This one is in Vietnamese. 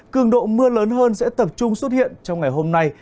cường độ mưa lớn hơn sẽ tập trung xuất hiện trong ngày hôm nay